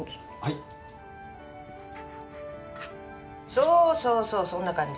そうそうそうそんな感じ。